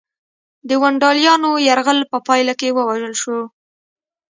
د ونډالیانو یرغل په پایله کې ووژل شو